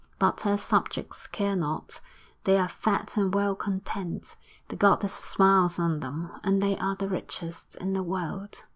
But her subjects care not; they are fat and well content; the goddess smiles on them, and they are the richest in the world.